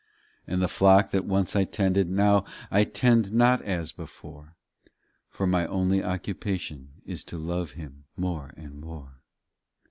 And the flock that once I tended, Now I tend not as before, For my only occupation Is to love Him more and more.